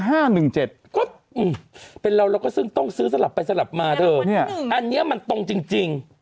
ก็เป็นเราแล้วก็ซึ่งต้องซื้อสลับไปสลับมาเธอเนี่ยอันนี้มันตรงจริง